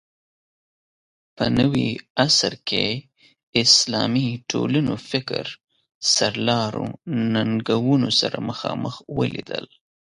په نوي عصر کې اسلامي ټولنو فکر سرلارو ننګونو سره مخامخ ولیدل